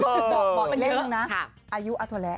บอกอีกเลขหนึ่งนะอายุอทวแระ